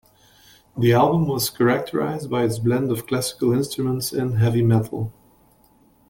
The album was characterized by its blend of classical instruments and heavy metal.